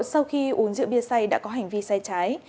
bố vợ sau khi uống rượu bia say đã có hành vi say trái